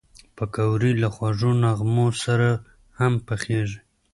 پکورې له خوږو نغمو سره هم پخېږي